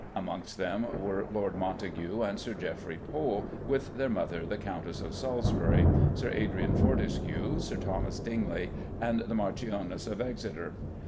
Amongst them were Lord Montague and Sir Geoffrey Pole, with their mother the Countess of Salisbury, Sir Adrian Fortescue, Sir Thomas Dingley, and the Marchioness of Exeter.